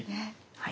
はい。